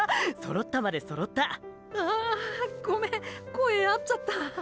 あわわわごめん声合っちゃった。